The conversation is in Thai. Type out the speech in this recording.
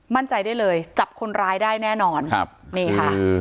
มั่นใจได้เลยจับคนร้ายได้แน่นอนครับนี่ค่ะ